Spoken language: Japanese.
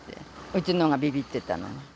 うちのがびびってたのは。